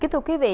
kính thưa quý vị